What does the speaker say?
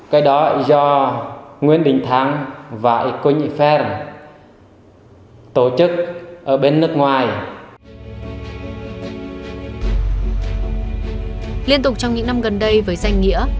cái đó do nguyễn đình thắng và cô nhị phép tổ chức ở bên nước ngoài